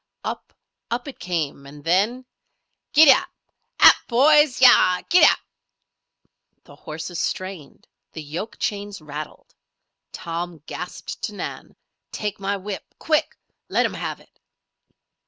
Up, up it came, and then "Gid ap! 'Ap, boys! Yah! Gid ap!" The horses strained. The yoke chains rattled. Tom gasped to Nan: "Take my whip! Quick! Let 'em have it!"